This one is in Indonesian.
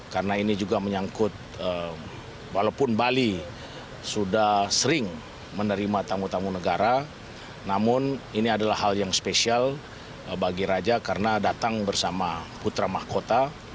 karena ini juga menyangkut walaupun bali sudah sering menerima tamu tamu negara namun ini adalah hal yang spesial bagi raja karena datang bersama putra mahkota